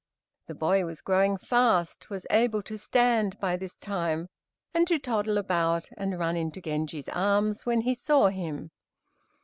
The boy was growing fast, was able to stand by this time and to toddle about, and run into Genji's arms when he saw him.